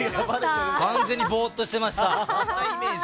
完全にぼーっとしてました。